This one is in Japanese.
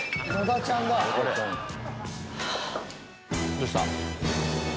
どうした？